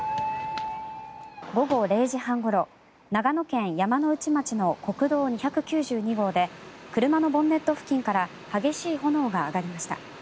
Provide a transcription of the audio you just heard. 午後０時半ごろ長野県山ノ内町の国道２９２号で車のボンネット付近から激しい炎が上がりました。